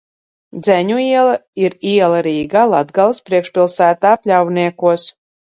Dzeņu iela ir iela Rīgā, Latgales priekšpilsētā, Pļavniekos.